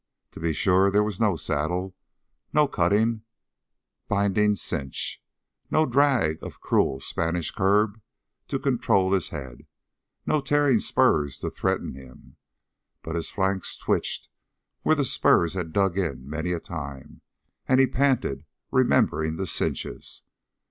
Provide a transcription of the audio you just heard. To be sure, there was no saddle, no cutting, binding cinch, no drag of cruel Spanish curb to control his head, no tearing spurs to threaten him. But his flanks twitched where the spurs had dug in many a time, and he panted, remembering the cinches.